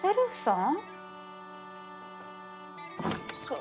ん？